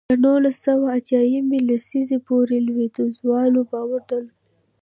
تر نولس سوه اتیا یمې لسیزې پورې لوېدیځوالو باور درلود.